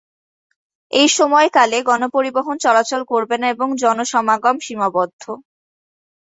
এই সময়কালে গণপরিবহন চলাচল করবে না, এবং জনসমাগম সীমাবদ্ধ।